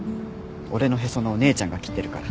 俺のへその緒姉ちゃんが切ってるから。